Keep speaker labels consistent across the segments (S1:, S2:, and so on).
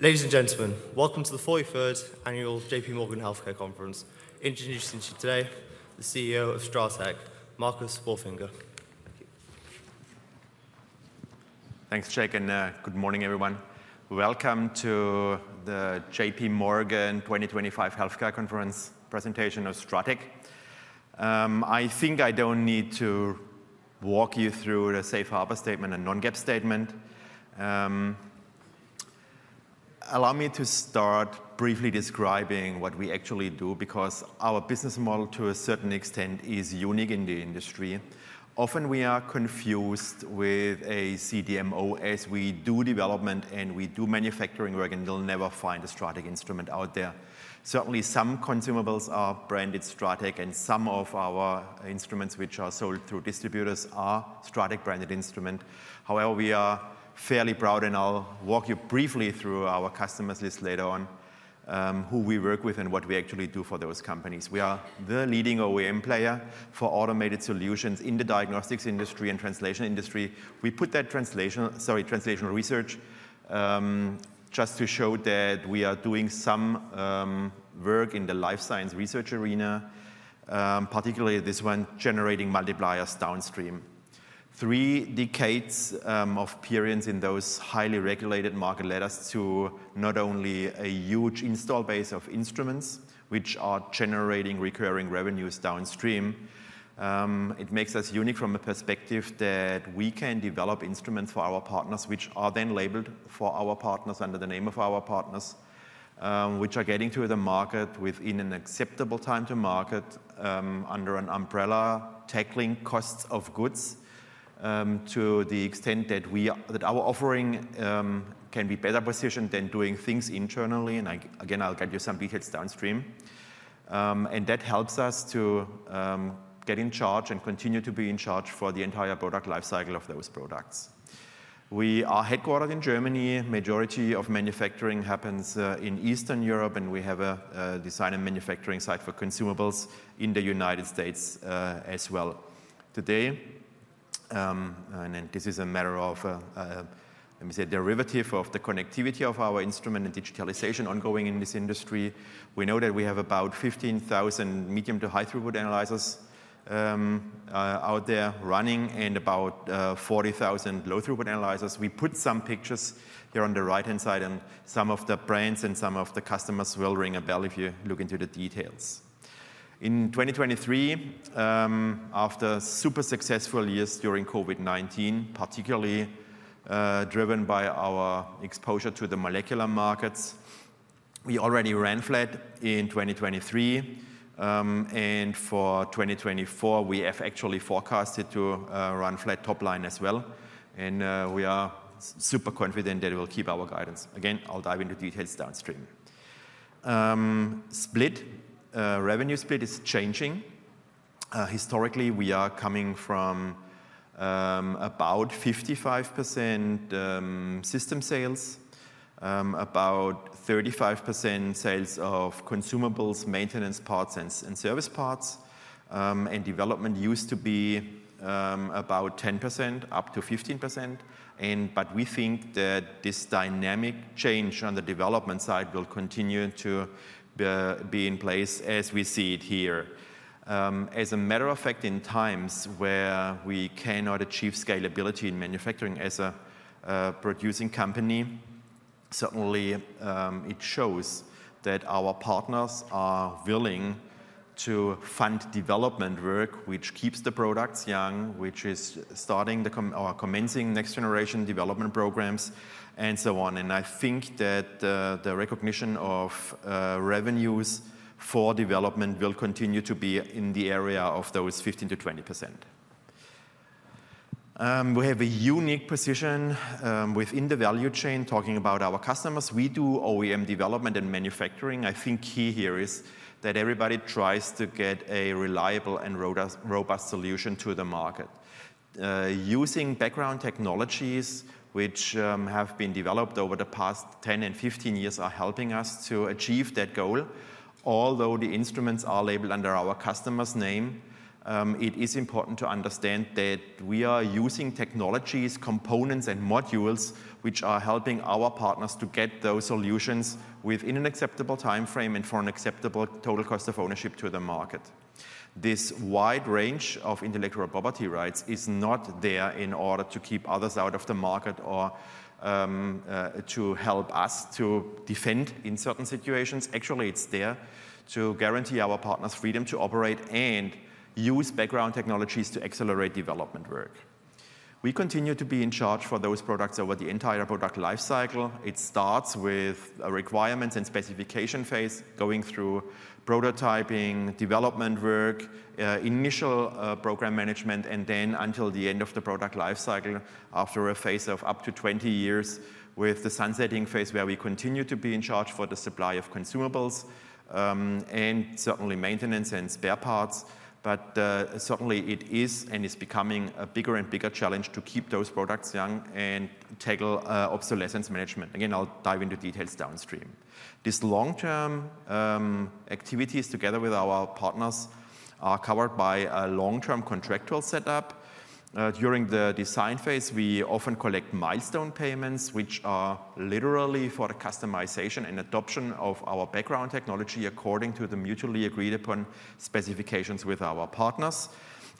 S1: Ladies and gentlemen, welcome to the 43rd Annual J.P. Morgan Healthcare Conference. Introducing today, the CEO of Stratec, Marcus Wolfinger. Thank you.
S2: Thanks, Jake, and good morning, everyone. Welcome to the J.P. Morgan 2025 Healthcare Conference presentation of Stratec. I think I don't need to walk you through the safe harbor statement and non-GAAP statement. Allow me to start briefly describing what we actually do, because our business model, to a certain extent, is unique in the industry. Often, we are confused with a CDMO as we do development and we do manufacturing work, and you'll never find a Stratec instrument out there. Certainly, some consumables are branded Stratec, and some of our instruments, which are sold through distributors, are Stratec-branded instruments. However, we are fairly proud, and I'll walk you briefly through our customers list later on, who we work with and what we actually do for those companies. We are the leading OEM player for automated solutions in the diagnostics industry and translation industry. We put that translational research just to show that we are doing some work in the life science research arena, particularly this one, generating multipliers downstream. Three decades of presence in those highly regulated markets led us to not only a huge installed base of instruments, which are generating recurring revenues downstream. It makes us unique from a perspective that we can develop instruments for our partners, which are then labeled for our partners under the name of our partners, which are getting to the market within an acceptable time to market under an umbrella tackling cost of goods to the extent that our offering can be better positioned than doing things internally. And again, I'll get you some details downstream. And that helps us to take charge and continue to be in charge for the entire product lifecycle of those products. We are headquartered in Germany. The majority of manufacturing happens in Eastern Europe, and we have a design and manufacturing site for consumables in the United States as well. Today, and this is a matter of, let me say, a derivative of the connectivity of our instrument and digitalization ongoing in this industry. We know that we have about 15,000 medium to high-throughput analyzers out there running and about 40,000 low-throughput analyzers. We put some pictures here on the right-hand side, and some of the brands and some of the customers will ring a bell if you look into the details. In 2023, after super successful years during COVID-19, particularly driven by our exposure to the molecular markets, we already ran flat in 2023, and for 2024, we have actually forecasted to run flat top line as well, and we are super confident that we'll keep our guidance. Again, I'll dive into details downstream. Revenue split is changing. Historically, we are coming from about 55% system sales, about 35% sales of consumables, maintenance parts, and service parts, and development used to be about 10%-15%, but we think that this dynamic change on the development side will continue to be in place as we see it here. As a matter of fact, in times where we cannot achieve scalability in manufacturing as a producing company, certainly, it shows that our partners are willing to fund development work, which keeps the products young, which is starting or commencing next-generation development programs, and so on, and I think that the recognition of revenues for development will continue to be in the area of those 15% to 20%. We have a unique position within the value chain, talking about our customers. We do OEM development and manufacturing. I think key here is that everybody tries to get a reliable and robust solution to the market. Using background technologies, which have been developed over the past 10 and 15 years, are helping us to achieve that goal. Although the instruments are labeled under our customer's name, it is important to understand that we are using technologies, components, and modules which are helping our partners to get those solutions within an acceptable time frame and for an acceptable total cost of ownership to the market. This wide range of intellectual property rights is not there in order to keep others out of the market or to help us to defend in certain situations. Actually, it's there to guarantee our partners' freedom to operate and use background technologies to accelerate development work. We continue to be in charge for those products over the entire product lifecycle. It starts with a requirements and specification phase, going through prototyping, development work, initial program management, and then until the end of the product lifecycle, after a phase of up to 20 years, with the sunsetting phase where we continue to be in charge for the supply of consumables and certainly maintenance and spare parts. But certainly, it is and is becoming a bigger and bigger challenge to keep those products young and tackle obsolescence management. Again, I'll dive into details downstream. This long-term activities, together with our partners, are covered by a long-term contractual setup. During the design phase, we often collect milestone payments, which are literally for the customization and adoption of our background technology according to the mutually agreed-upon specifications with our partners,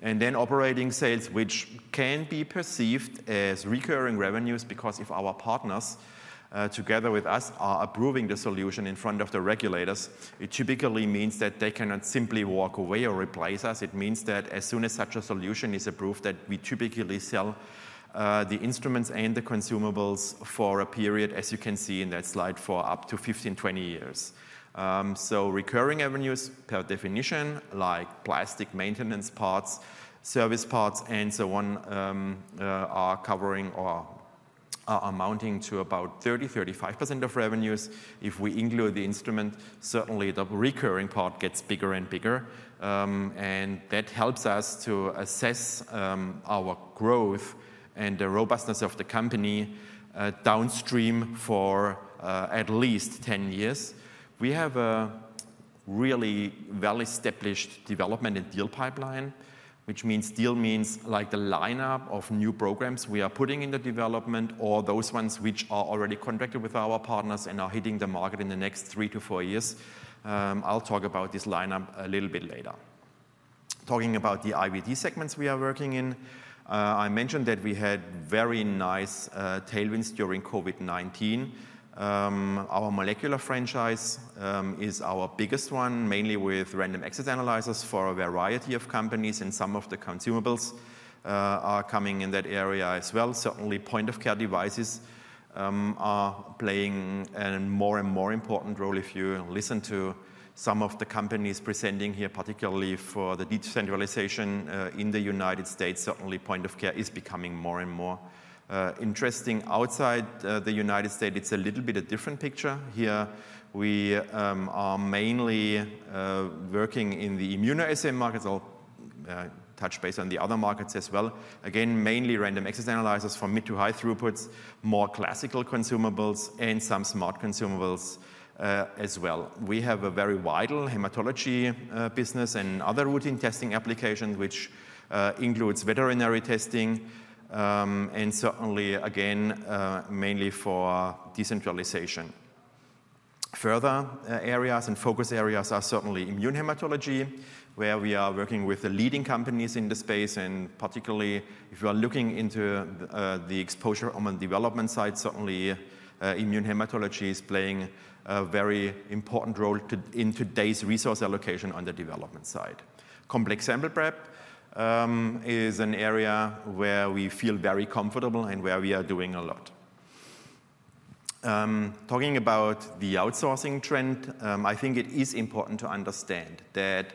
S2: and then operating sales, which can be perceived as recurring revenues, because if our partners, together with us, are approving the solution in front of the regulators, it typically means that they cannot simply walk away or replace us. It means that as soon as such a solution is approved, that we typically sell the instruments and the consumables for a period, as you can see in that slide, for up to 15-20 years. So recurring revenues, per definition, like plastic maintenance parts, service parts, and so on, are covering or amounting to about 30%-35% of revenues. If we include the instrument, certainly, the recurring part gets bigger and bigger. That helps us to assess our growth and the robustness of the company downstream for at least 10 years. We have a really well-established development and deal pipeline, which means like the lineup of new programs we are putting into development or those ones which are already contracted with our partners and are hitting the market in the next three to four years. I'll talk about this lineup a little bit later. Talking about the IVD segments we are working in, I mentioned that we had very nice tailwinds during COVID-19. Our molecular franchise is our biggest one, mainly with random access analyzers for a variety of companies, and some of the consumables are coming in that area as well. Certainly, point-of-care devices are playing a more and more important role. If you listen to some of the companies presenting here, particularly for the decentralization in the United States, certainly, point-of-care is becoming more and more interesting. Outside the United States, it's a little bit a different picture here. We are mainly working in the immunoassay markets. I'll touch base on the other markets as well. Again, mainly random access analyzers for mid to high throughputs, more classical consumables, and some smart consumables as well. We have a very wide hematology business and other routine testing applications, which includes veterinary testing and certainly, again, mainly for decentralization. Further areas and focus areas are certainly immunohematology, where we are working with the leading companies in the space, and particularly, if you are looking into the exposure on the development side, certainly, immunohematology is playing a very important role in today's resource allocation on the development side. Complex sample prep is an area where we feel very comfortable and where we are doing a lot. Talking about the outsourcing trend, I think it is important to understand that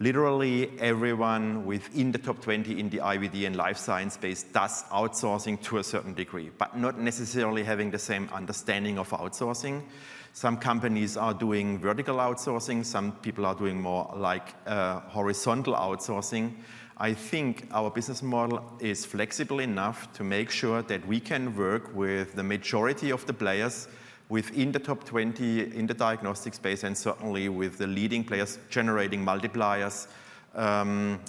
S2: literally everyone within the top 20 in the IVD and life science space does outsourcing to a certain degree, but not necessarily having the same understanding of outsourcing. Some companies are doing vertical outsourcing. Some people are doing more like horizontal outsourcing. I think our business model is flexible enough to make sure that we can work with the majority of the players within the top 20 in the diagnostic space and certainly with the leading players generating multipliers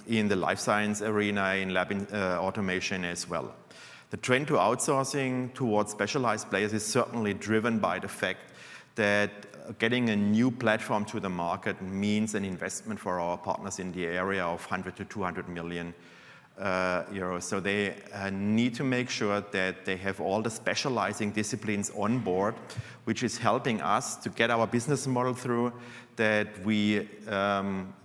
S2: in the life science arena and lab automation as well. The trend to outsourcing towards specialized players is certainly driven by the fact that getting a new platform to the market means an investment for our partners in the area of 100 million-200 million euros. They need to make sure that they have all the specializing disciplines on board, which is helping us to get our business model through, that we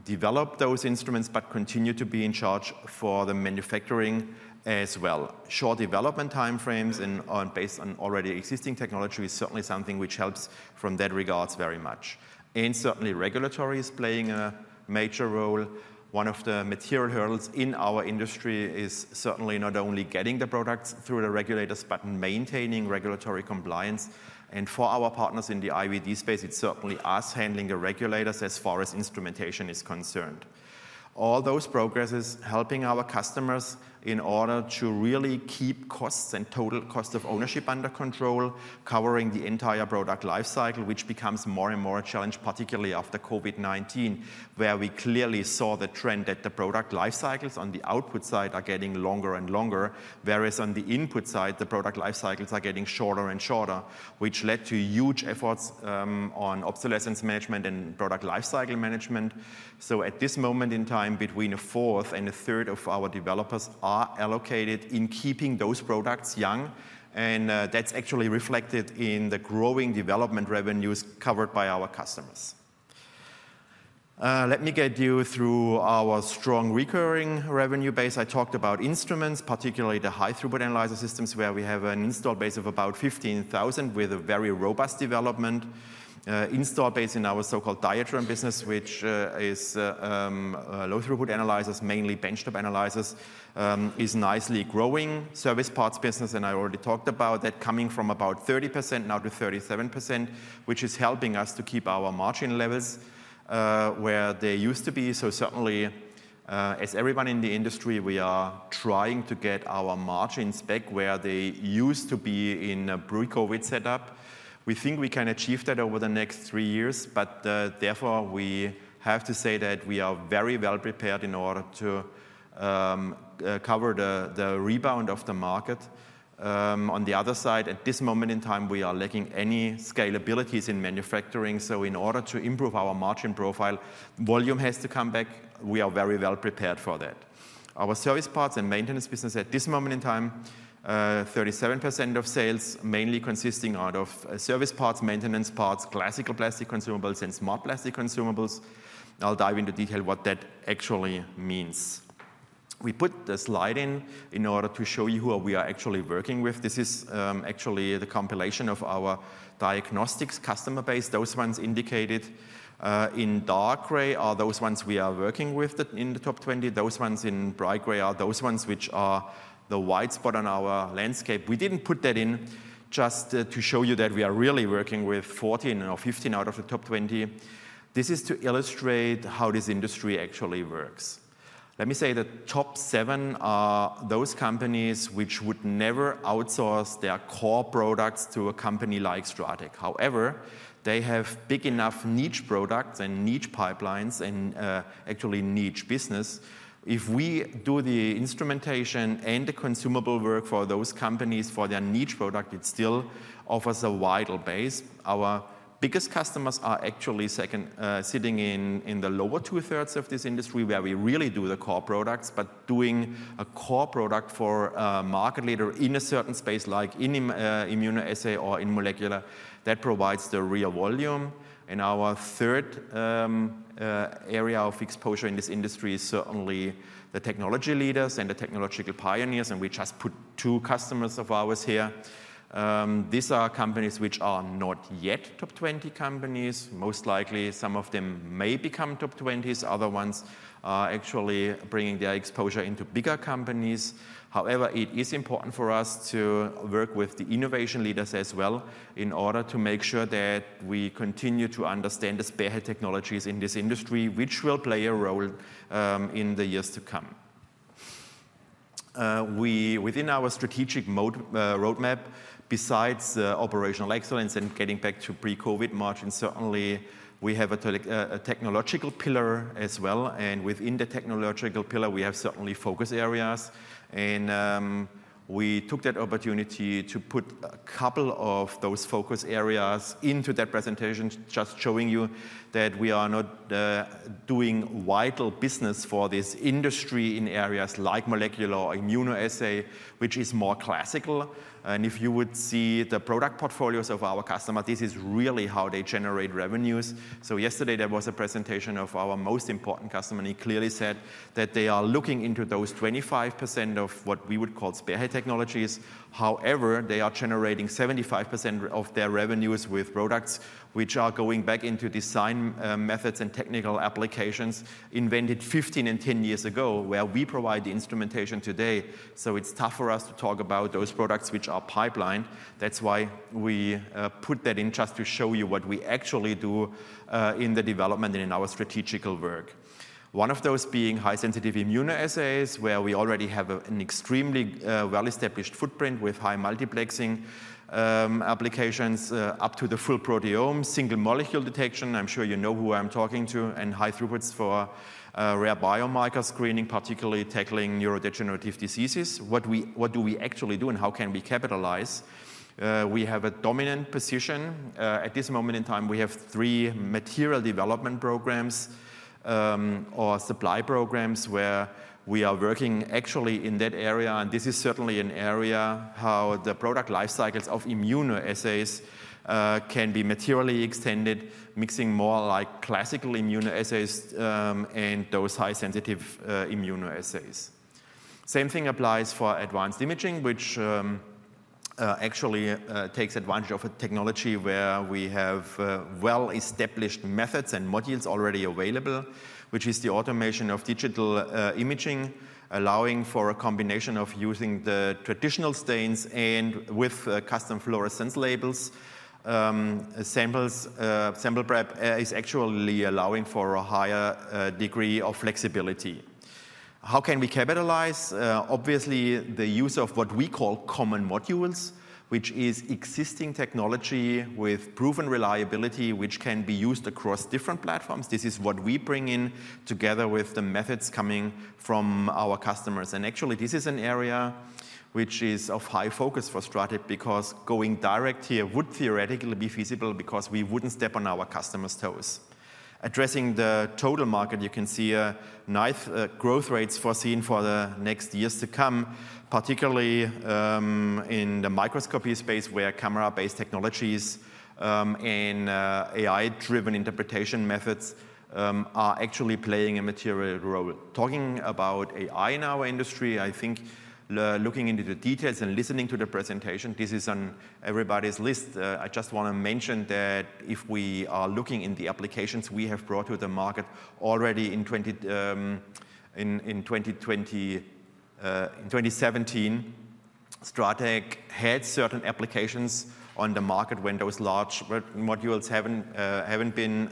S2: develop those instruments but continue to be in charge for the manufacturing as well. Short development time frames and based on already existing technology is certainly something which helps from that regard very much. Certainly, regulatory is playing a major role. One of the material hurdles in our industry is certainly not only getting the products through the regulators, but maintaining regulatory compliance. For our partners in the IVD space, it's certainly us handling the regulators as far as instrumentation is concerned. All those progresses helping our customers in order to really keep costs and total cost of ownership under control, covering the entire product lifecycle, which becomes more and more a challenge, particularly after COVID-19, where we clearly saw the trend that the product lifecycles on the output side are getting longer and longer, whereas on the input side, the product lifecycles are getting shorter and shorter, which led to huge efforts on obsolescence management and product lifecycle management. So at this moment in time, between a fourth and a third of our developers are allocated in keeping those products young. And that's actually reflected in the growing development revenues covered by our customers. Let me get you through our strong recurring revenue base. I talked about instruments, particularly the high-throughput analyzer systems, where we have an installed base of about 15,000 with a very robust development. Installed base in our so-called Diatron business, which is low-throughput analyzers, mainly benchtop analyzers, is nicely growing. Service parts business, and I already talked about that, coming from about 30% now to 37%, which is helping us to keep our margin levels where they used to be, so certainly, as everyone in the industry, we are trying to get our margins back where they used to be in a pre-COVID setup. We think we can achieve that over the next three years, but therefore, we have to say that we are very well prepared in order to cover the rebound of the market. On the other side, at this moment in time, we are lacking any scalability in manufacturing, so in order to improve our margin profile, volume has to come back. We are very well prepared for that. Our service parts and maintenance business, at this moment in time, 37% of sales mainly consisting out of service parts, maintenance parts, classical plastic consumables, and smart plastic consumables. I'll dive into detail what that actually means. We put the slide in in order to show you who we are actually working with. This is actually the compilation of our diagnostics customer base. Those ones indicated in dark gray are those ones we are working with in the top 20. Those ones in bright gray are those ones which are the white spot on our landscape. We didn't put that in just to show you that we are really working with 14 or 15 out of the top 20. This is to illustrate how this industry actually works. Let me say the top seven are those companies which would never outsource their core products to a company like Stratec. However, they have big enough niche products and niche pipelines and actually niche business. If we do the instrumentation and the consumable work for those companies for their niche product, it still offers a wider base. Our biggest customers are actually sitting in the lower two-thirds of this industry where we really do the core products, but doing a core product for a market leader in a certain space like immunoassay or in molecular that provides the real volume, and our third area of exposure in this industry is certainly the technology leaders and the technological pioneers, and we just put two customers of ours here. These are companies which are not yet top 20 companies. Most likely, some of them may become top 20s. Other ones are actually bringing their exposure into bigger companies. However, it is important for us to work with the innovation leaders as well in order to make sure that we continue to understand the spearhead technologies in this industry, which will play a role in the years to come. Within our strategic roadmap, besides operational excellence and getting back to pre-COVID margins, certainly, we have a technological pillar as well, and within the technological pillar, we have certainly focus areas, and we took that opportunity to put a couple of those focus areas into that presentation, just showing you that we are doing vital business for this industry in areas like molecular or immunoassay, which is more classical, and if you would see the product portfolios of our customers, this is really how they generate revenues, so yesterday, there was a presentation of our most important customer. He clearly said that they are looking into those 25% of what we would call spearhead technologies. However, they are generating 75% of their revenues with products which are going back into design methods and technical applications invented 15 and 10 years ago, where we provide the instrumentation today, so it's tough for us to talk about those products which are pipeline. That's why we put that in just to show you what we actually do in the development and in our strategic work. One of those being high-sensitivity immunoassays, where we already have an extremely well-established footprint with high multiplexing applications up to the full proteome, single molecule detection. I'm sure you know who I'm talking about, and high throughputs for rare biomarker screening, particularly tackling neurodegenerative diseases. What do we actually do, and how can we capitalize? We have a dominant position. At this moment in time, we have three material development programs or supply programs where we are working actually in that area. And this is certainly an area how the product life cycles of immunoassays can be materially extended, mixing more like classical immunoassays and those high-sensitive immunoassays. Same thing applies for advanced imaging, which actually takes advantage of a technology where we have well-established methods and modules already available, which is the automation of digital imaging, allowing for a combination of using the traditional stains and with custom fluorescence labels. Sample prep is actually allowing for a higher degree of flexibility. How can we capitalize? Obviously, the use of what we call common modules, which is existing technology with proven reliability, which can be used across different platforms. This is what we bring in together with the methods coming from our customers. Actually, this is an area which is of high focus for Stratec because going direct here would theoretically be feasible because we wouldn't step on our customers' toes. Addressing the total market, you can see growth rates foreseen for the next years to come, particularly in the microscopy space where camera-based technologies and AI-driven interpretation methods are actually playing a material role. Talking about AI in our industry, I think looking into the details and listening to the presentation, this is on everybody's list. I just want to mention that if we are looking in the applications we have brought to the market already in 2017, Stratec had certain applications on the market when those large modules haven't been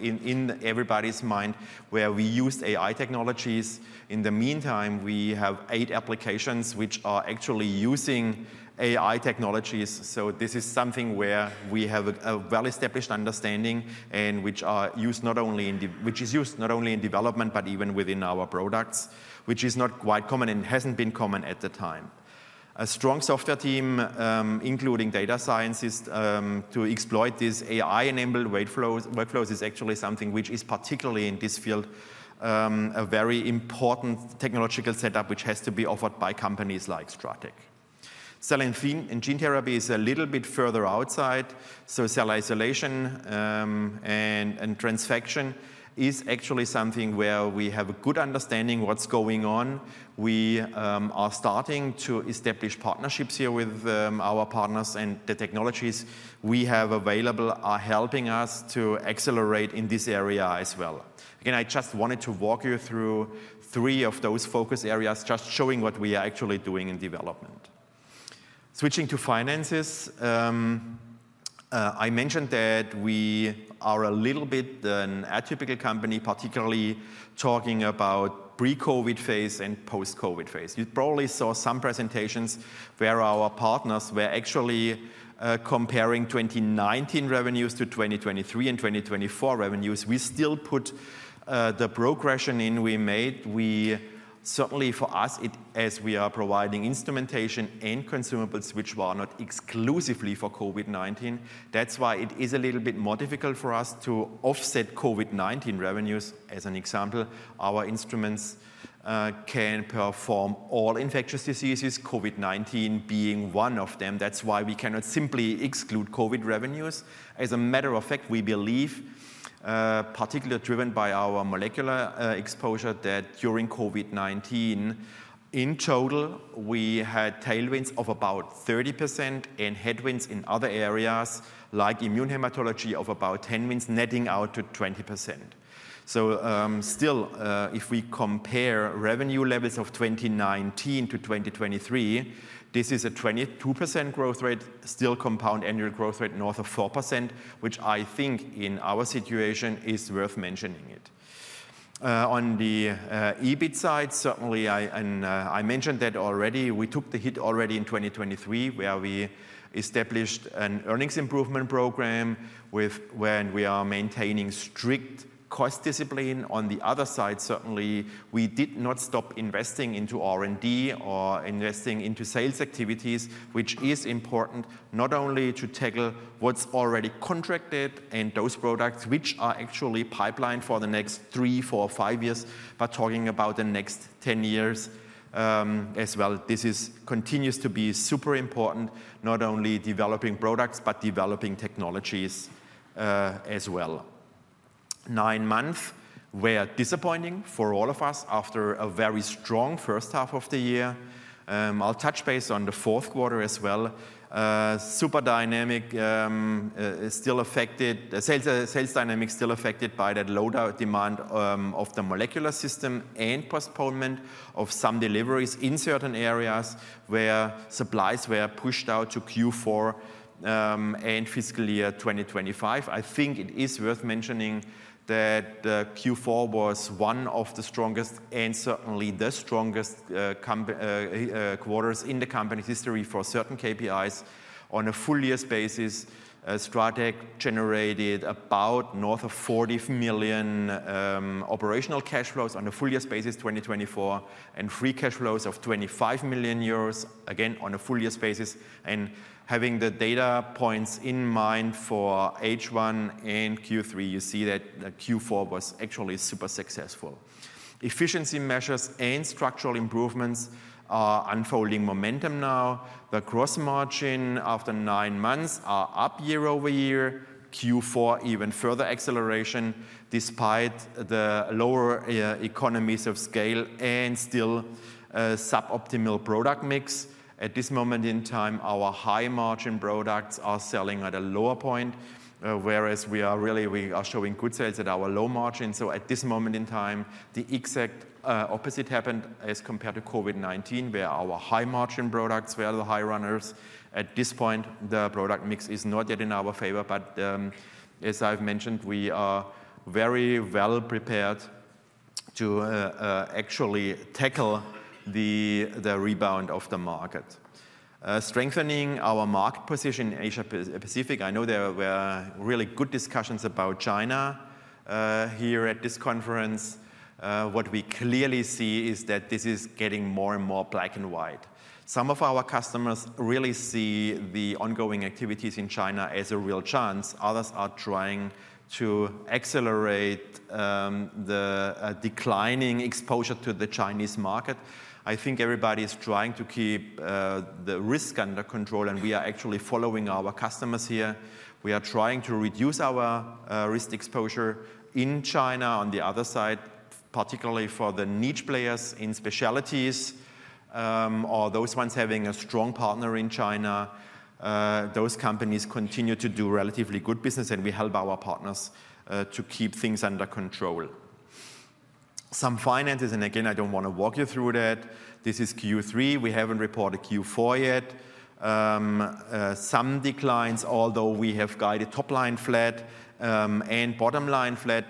S2: in everybody's mind where we used AI technologies. In the meantime, we have eight applications which are actually using AI technologies. So this is something where we have a well-established understanding and which is used not only in development, but even within our products, which is not quite common and hasn't been common at the time. A strong software team, including data scientists, to exploit these AI-enabled workflows is actually something which is particularly in this field a very important technological setup which has to be offered by companies like Stratec. Cell and gene therapy is a little bit further outside. So cell isolation and transfection is actually something where we have a good understanding of what's going on. We are starting to establish partnerships here with our partners, and the technologies we have available are helping us to accelerate in this area as well. Again, I just wanted to walk you through three of those focus areas, just showing what we are actually doing in development. Switching to finances, I mentioned that we are a little bit an atypical company, particularly talking about pre-COVID phase and post-COVID phase. You probably saw some presentations where our partners were actually comparing 2019 revenues to 2023 and 2024 revenues. We still put the progression in we made. Certainly, for us, as we are providing instrumentation and consumables which were not exclusively for COVID-19, that's why it is a little bit more difficult for us to offset COVID-19 revenues. As an example, our instruments can perform all infectious diseases, COVID-19 being one of them. That's why we cannot simply exclude COVID revenues. As a matter of fact, we believe, particularly driven by our molecular exposure, that during COVID-19, in total, we had tailwinds of about 30% and headwinds in other areas like immunohematology of about 10%, netting out to 20%. So still, if we compare revenue levels of 2019 to 2023, this is a 22% growth rate, still compound annual growth rate north of 4%, which I think in our situation is worth mentioning it. On the EBIT side, certainly, and I mentioned that already, we took the hit already in 2023 where we established an earnings improvement program when we are maintaining strict cost discipline. On the other side, certainly, we did not stop investing into R&D or investing into sales activities, which is important not only to tackle what's already contracted and those products which are actually pipelined for the next three, four, five years, but talking about the next 10 years as well. This continues to be super important, not only developing products, but developing technologies as well. Nine months were disappointing for all of us after a very strong first half of the year. I'll touch base on the fourth quarter as well. Super dynamic is still affected. Sales dynamic is still affected by that low demand of the molecular system and postponement of some deliveries in certain areas where supplies were pushed out to Q4 and fiscal year 2025. I think it is worth mentioning that Q4 was one of the strongest and certainly the strongest quarters in the company's history for certain KPIs. On a full year's basis, Stratec generated about north of 40 million EUR operational cash flows on a full year's basis 2024 and free cash flows of 25 million euros, again, on a full year's basis. And having the data points in mind for H1 and Q3, you see that Q4 was actually super successful. Efficiency measures and structural improvements are unfolding momentum now. The gross margin after nine months is up year-over-year. Q4, even further acceleration despite the lower economies of scale and still suboptimal product mix. At this moment in time, our high margin products are selling at a lower point, whereas we are really showing good sales at our low margin. So at this moment in time, the exact opposite happened as compared to COVID-19, where our high margin products were the high runners. At this point, the product mix is not yet in our favor, but as I've mentioned, we are very well prepared to actually tackle the rebound of the market. Strengthening our market position in Asia-Pacific. I know there were really good discussions about China here at this conference. What we clearly see is that this is getting more and more black and white. Some of our customers really see the ongoing activities in China as a real chance. Others are trying to accelerate the declining exposure to the Chinese market. I think everybody is trying to keep the risk under control, and we are actually following our customers here. We are trying to reduce our risk exposure in China. On the other side, particularly for the niche players in specialties or those ones having a strong partner in China, those companies continue to do relatively good business, and we help our partners to keep things under control. Some finances, and again, I don't want to walk you through that. This is Q3. We haven't reported Q4 yet. Some declines, although we have guided top line flat and bottom line flat,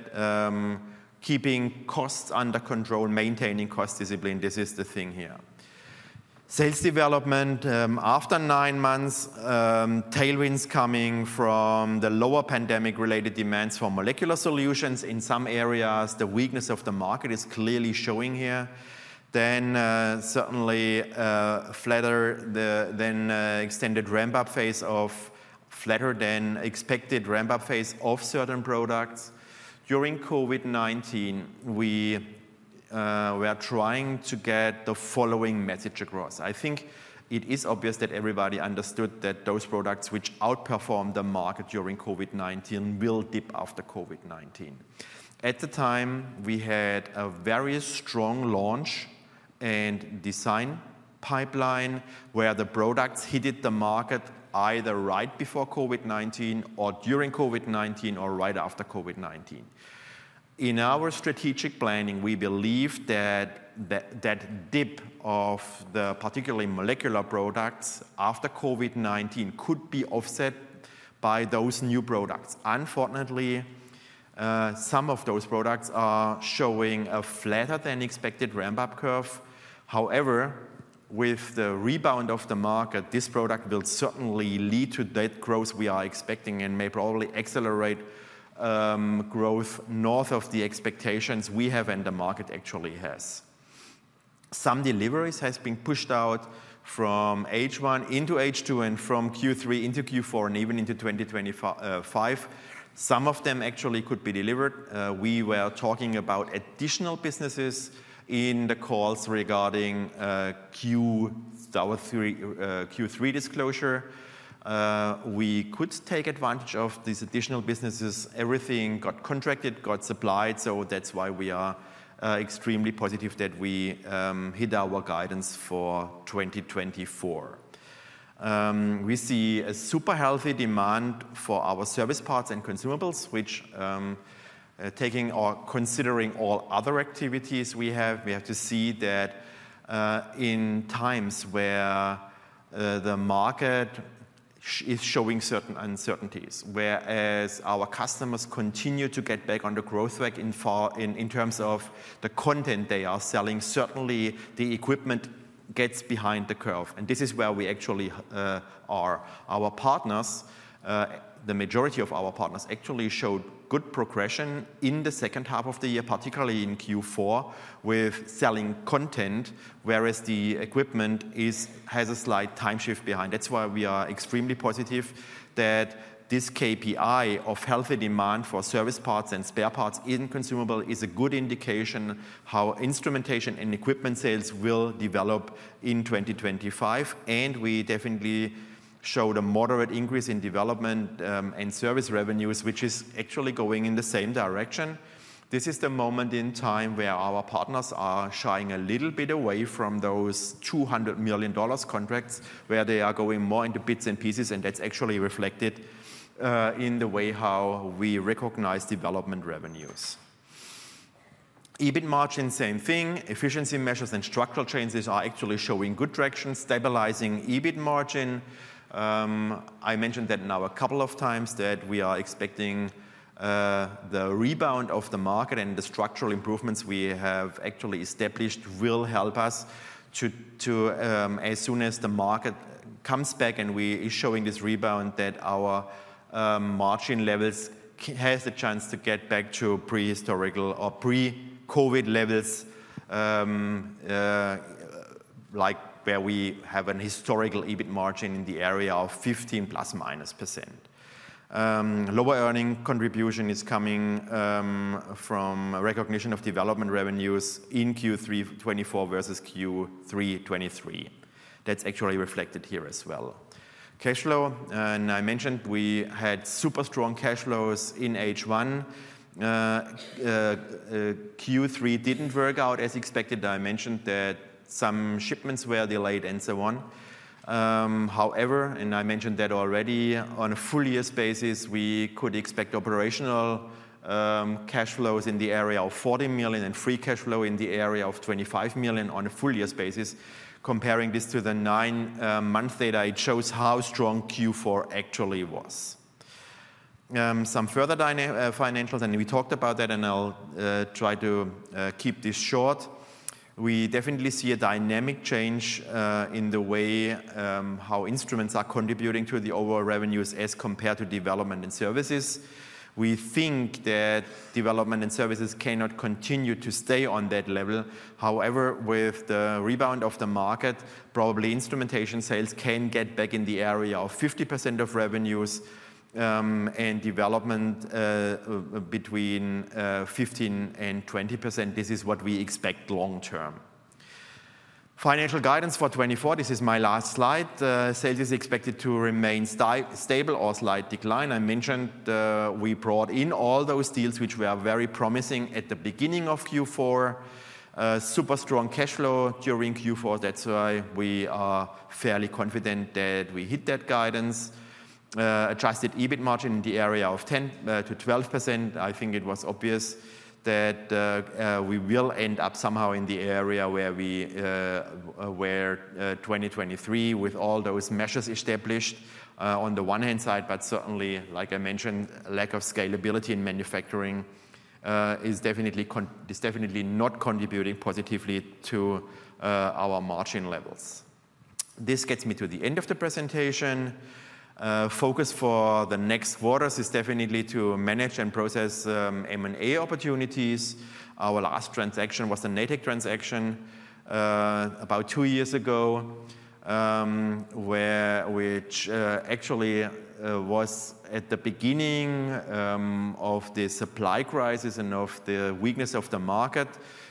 S2: keeping costs under control, maintaining cost discipline. This is the thing here. Sales development after nine months, tailwinds coming from the lower pandemic-related demands for molecular solutions. In some areas, the weakness of the market is clearly showing here, then certainly extended ramp-up phase of flatter than expected ramp-up phase of certain products. During COVID-19, we were trying to get the following message across. I think it is obvious that everybody understood that those products which outperformed the market during COVID-19 will dip after COVID-19. At the time, we had a very strong launch and design pipeline where the products hit the market either right before COVID-19 or during COVID-19 or right after COVID-19. In our strategic planning, we believed that that dip of the, particularly, molecular products after COVID-19 could be offset by those new products. Unfortunately, some of those products are showing a flatter than expected ramp-up curve. However, with the rebound of the market, this product will certainly lead to that growth we are expecting and may probably accelerate growth north of the expectations we have and the market actually has. Some deliveries have been pushed out from H1 into H2 and from Q3 into Q4 and even into 2025. Some of them actually could be delivered. We were talking about additional businesses in the calls regarding Q3 disclosure. We could take advantage of these additional businesses. Everything got contracted, got supplied. So that's why we are extremely positive that we hit our guidance for 2024. We see a super healthy demand for our service parts and consumables, which, considering all other activities we have, we have to see that in times where the market is showing certain uncertainties, whereas our customers continue to get back on the growth wagon in terms of the content they are selling, certainly the equipment gets behind the curve, and this is where we actually are. Our partners, the majority of our partners, actually showed good progression in the second half of the year, particularly in Q4, with selling content, whereas the equipment has a slight time shift behind. That's why we are extremely positive that this KPI of healthy demand for service parts and spare parts in consumables is a good indication of how instrumentation and equipment sales will develop in 2025. And we definitely showed a moderate increase in development and service revenues, which is actually going in the same direction. This is the moment in time where our partners are shying a little bit away from those $200 million contracts, where they are going more into bits and pieces, and that's actually reflected in the way how we recognize development revenues. EBIT margin, same thing. Efficiency measures and structural changes are actually showing good direction, stabilizing EBIT margin. I mentioned that now a couple of times that we are expecting the rebound of the market and the structural improvements we have actually established will help us to, as soon as the market comes back and we are showing this rebound, that our margin levels have the chance to get back to pre-historical or pre-COVID levels, like where we have a historical EBIT margin in the area of 15% plus minus. Lower earnings contribution is coming from recognition of development revenues in Q3 2024 versus Q3 2023. That's actually reflected here as well. Cash flow, and I mentioned we had super strong cash flows in H1. Q3 didn't work out as expected. I mentioned that some shipments were delayed and so on. However, and I mentioned that already, on a full year's basis, we could expect operational cash flows in the area of 40 million and free cash flow in the area of 25 million on a full year's basis. Comparing this to the nine-month data, it shows how strong Q4 actually was. Some further financials, and we talked about that, and I'll try to keep this short. We definitely see a dynamic change in the way how instruments are contributing to the overall revenues as compared to development and services. We think that development and services cannot continue to stay on that level. However, with the rebound of the market, probably instrumentation sales can get back in the area of 50% of revenues and development between 15% and 20%. This is what we expect long-term. Financial guidance for 2024, this is my last slide. Sales is expected to remain stable or slight decline. I mentioned we brought in all those deals which were very promising at the beginning of Q4. Super strong cash flow during Q4. That's why we are fairly confident that we hit that guidance. Adjusted EBIT margin in the area of 10%-12%. I think it was obvious that we will end up somehow in the area where we were 2023 with all those measures established on the one hand side, but certainly, like I mentioned, lack of scalability in manufacturing is definitely not contributing positively to our margin levels. This gets me to the end of the presentation. Focus for the next quarters is definitely to manage and process M&A opportunities. Our last transaction was the Natech transaction about two years ago, which actually was at the beginning of the supply crisis and of the weakness of the market.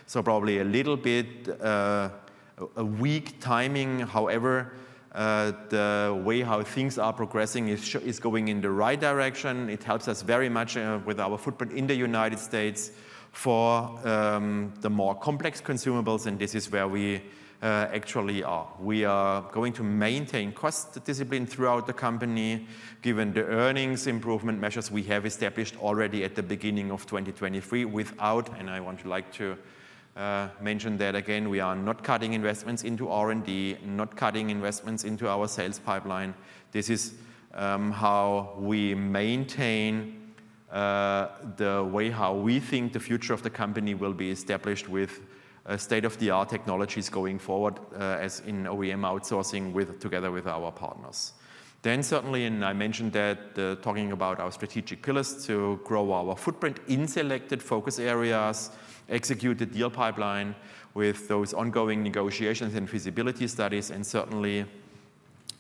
S2: So, probably a little bit weak timing. However, the way how things are progressing is going in the right direction. It helps us very much with our footprint in the United States for the more complex consumables, and this is where we actually are. We are going to maintain cost discipline throughout the company, given the earnings improvement measures we have established already at the beginning of 2023 without, and I want to like to mention that again, we are not cutting investments into R&D, not cutting investments into our sales pipeline. This is how we maintain the way how we think the future of the company will be established with state-of-the-art technologies going forward, as in OEM outsourcing together with our partners. Then certainly, and I mentioned that talking about our strategic pillars to grow our footprint in selected focus areas, execute the deal pipeline with those ongoing negotiations and feasibility studies, and certainly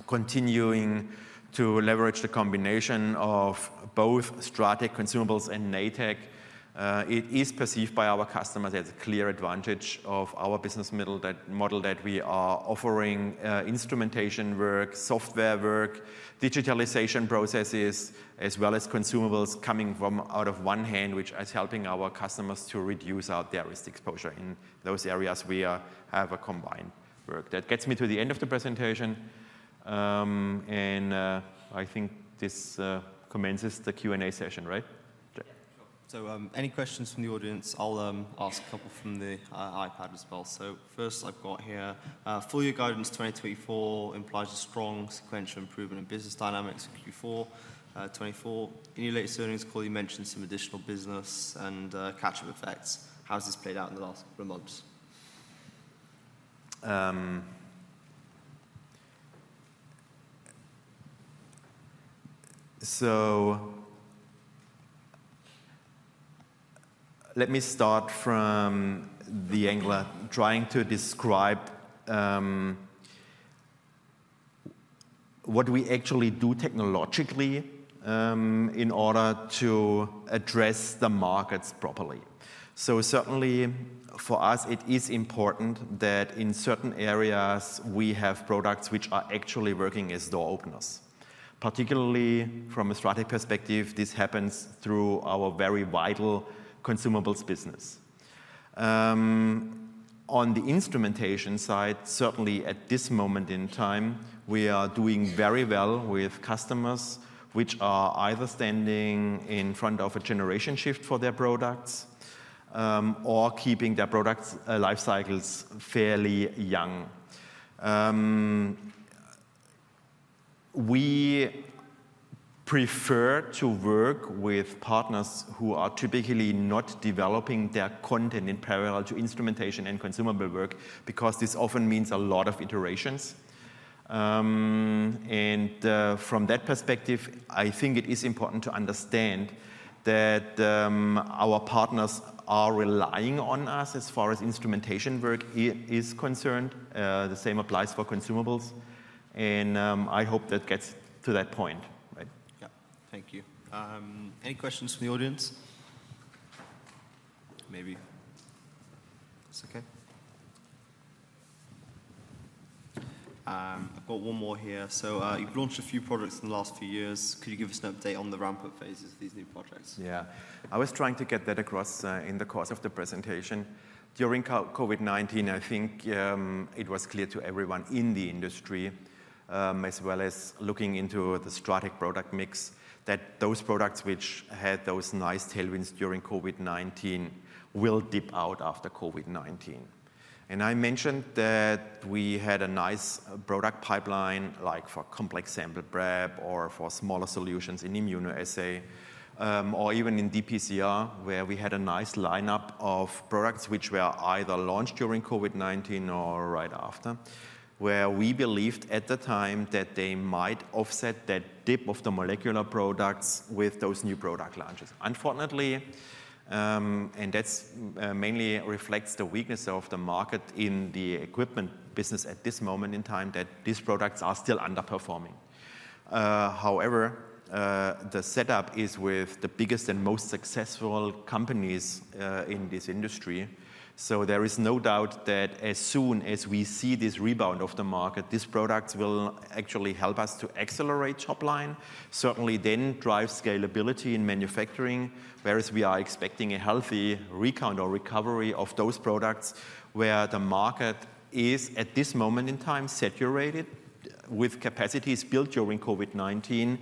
S2: continuing to leverage the combination of both Stratec consumables and Natech. It is perceived by our customers as a clear advantage of our business model that we are offering instrumentation work, software work, digitalization processes, as well as consumables coming out of one hand, which is helping our customers to reduce their risk exposure in those areas where we have a combined work. That gets me to the end of the presentation. And I think this commences the Q&A session, right?
S1: Yeah. So any questions from the audience? I'll ask a couple from the iPad as well. So first, I've got here, full year guidance 2024 implies a strong sequential improvement in business dynamics in Q4 2024. In your latest earnings, call, you mentioned some additional business and catch-up effects. How has this played out in the last couple of months?
S2: So let me start from the angle of trying to describe what we actually do technologically in order to address the markets properly. So certainly, for us, it is important that in certain areas, we have products which are actually working as door openers. Particularly from a Stratec perspective, this happens through our very vital consumables business. On the instrumentation side, certainly at this moment in time, we are doing very well with customers which are either standing in front of a generation shift for their products or keeping their product lifecycles fairly young. We prefer to work with partners who are typically not developing their content in parallel to instrumentation and consumable work because this often means a lot of iterations. And from that perspective, I think it is important to understand that our partners are relying on us as far as instrumentation work is concerned. The same applies for consumables. And I hope that gets to that point, right?
S1: Yeah.
S2: Thank you. Any questions from the audience? Maybe.
S1: It's okay.
S2: I've got one more here. So you've launched a few products in the last few years. Could you give us an update on the ramp-up phases of these new projects? Yeah. I was trying to get that across in the course of the presentation. During COVID-19, I think it was clear to everyone in the industry, as well as looking into the Stratec product mix, that those products which had those nice tailwinds during COVID-19 will dip out after COVID-19. And I mentioned that we had a nice product pipeline, like for complex sample prep or for smaller solutions in immunoassay or even in dPCR, where we had a nice lineup of products which were either launched during COVID-19 or right after, where we believed at the time that they might offset that dip of the molecular products with those new product launches. Unfortunately, and that mainly reflects the weakness of the market in the equipment business at this moment in time, that these products are still underperforming. However, the setup is with the biggest and most successful companies in this industry. There is no doubt that as soon as we see this rebound of the market, these products will actually help us to accelerate supply line, certainly then drive scalability in manufacturing, whereas we are expecting a healthy rebound or recovery of those products where the market is at this moment in time saturated with capacities built during COVID-19,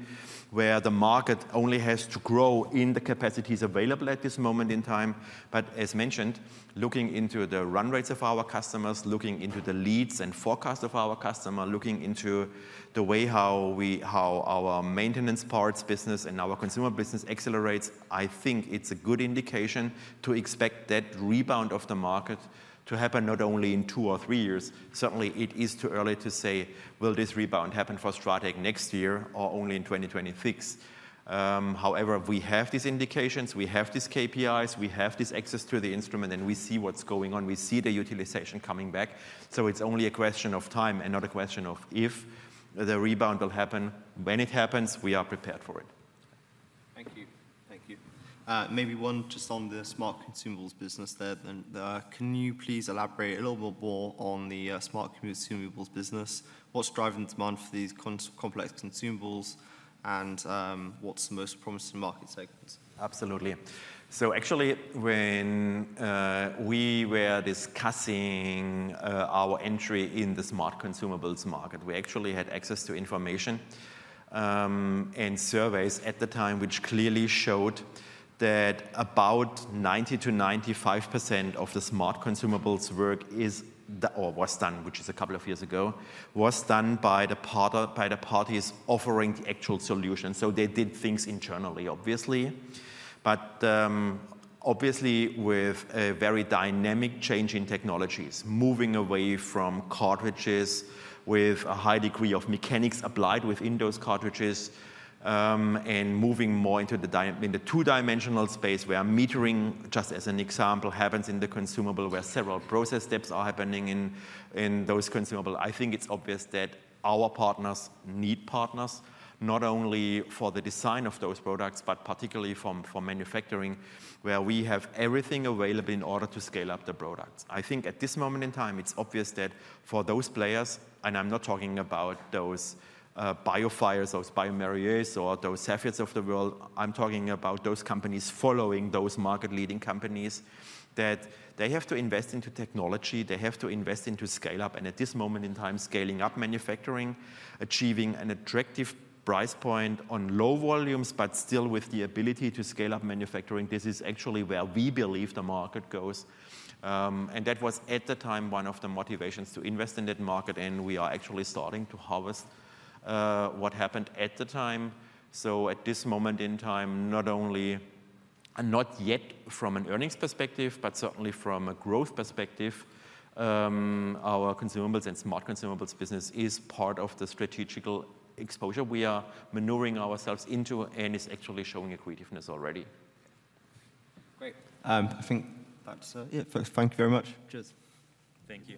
S2: where the market only has to grow in the capacities available at this moment in time. As mentioned, looking into the run rates of our customers, looking into the leads and forecast of our customer, looking into the way how our maintenance parts business and our consumables business accelerates, I think it's a good indication to expect that rebound of the market to happen not only in two or three years. Certainly, it is too early to say. Will this rebound happen for Stratec next year or only in 2026? However, we have these indications, we have these KPIs, we have this access to the instrument, and we see what's going on. We see the utilization coming back. So it's only a question of time and not a question of if the rebound will happen. When it happens, we are prepared for it.
S1: Thank you.
S2: Thank you.
S1: Maybe one just on the smart consumables business there. Can you please elaborate a little bit more on the smart consumables business? What's driving the demand for these complex consumables and what's the most promising market segments?
S2: Absolutely. So actually, when we were discussing our entry in the smart consumables market, we actually had access to information and surveys at the time, which clearly showed that about 90%-95% of the smart consumables work is or was done, which is a couple of years ago, was done by the parties offering the actual solution. So they did things internally, obviously. But obviously, with a very dynamic change in technologies, moving away from cartridges with a high degree of mechanics applied within those cartridges and moving more into the two-dimensional space where metering, just as an example, happens in the consumable, where several process steps are happening in those consumables, I think it's obvious that our partners need partners not only for the design of those products, but particularly for manufacturing, where we have everything available in order to scale up the products. I think at this moment in time, it's obvious that for those players, and I'm not talking about those BioFires or those bioMérieux or those Cepheids of the world. I'm talking about those companies following those market-leading companies that they have to invest into technology, they have to invest into scale-up, and at this moment in time, scaling up manufacturing, achieving an attractive price point on low volumes, but still with the ability to scale up manufacturing. This is actually where we believe the market goes, and that was at the time one of the motivations to invest in that market, and we are actually starting to harvest what happened at the time. So at this moment in time, not only not yet from an earnings perspective, but certainly from a growth perspective, our consumables and smart consumables business is part of the strategic exposure we are maneuvering ourselves into, and it's actually showing a creativeness already.
S1: Great. I think that's it. Thank you very much. Cheers.
S2: Thank you.